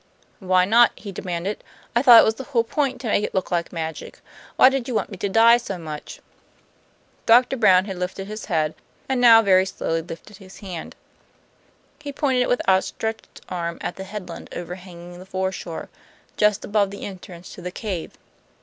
"Why not?" he demanded. "I thought it was the whole point to make it look like magic. Why did you want me to die so much?" Doctor Brown had lifted his head; and he now very slowly lifted his hand. He pointed with outstretched arm at the headland overhanging the foreshore, just above the entrance to the cave.